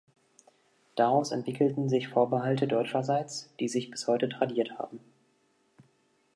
Daraus entwickelten sich Vorbehalte deutscherseits, die sich bis heute tradiert haben.